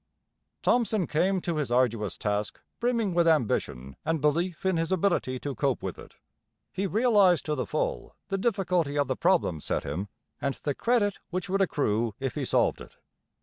Thomson came to his arduous task brimming with ambition and belief in his ability to cope with it. He realized to the full the difficulty of the problem set him and the credit which would accrue if he solved it.